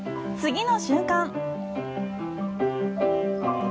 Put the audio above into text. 次の瞬間。